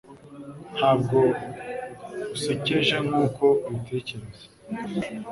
Ntabwo usekeje nkuko ubitekereza